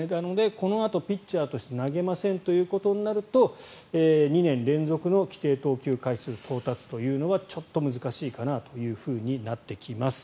このあとピッチャーとして投げませんとなると２年連続の規定投球回数到達というのはちょっと難しいかなとなってきます。